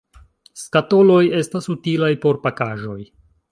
Skatoloj estas utilaj por pakaĵoj.